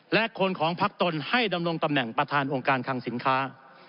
และคนของพักตนให้ดำรงตำแหน่งประธานองค์การคังสินค้า